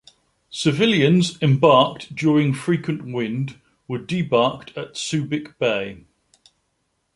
Civilians embarked during "Frequent Wind" were debarked at Subic Bay.